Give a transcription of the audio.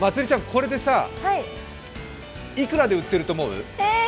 これでいくらで売ってると思う？